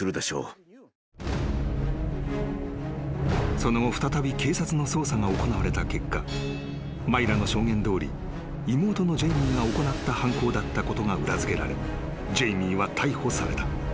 ［その後再び警察の捜査が行われた結果マイラの証言どおり妹のジェイミーが行った犯行だったことが裏付けられジェイミーは逮捕された］